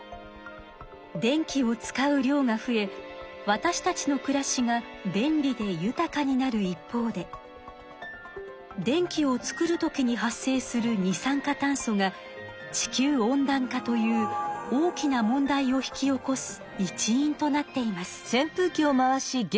電気を使う量が増えわたしたちのくらしが便利で豊かになる一方で電気を作るときに発生する二酸化炭素が地球温暖化という大きな問題を引き起こす一因となっています。